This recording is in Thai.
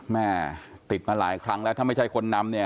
แม่ติดมาหลายครั้งแล้วถ้าไม่ใช่คนนำเนี่ย